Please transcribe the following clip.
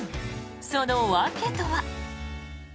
その訳とは。